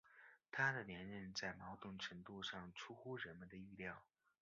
他的连任在某种程度上出乎人们的意料。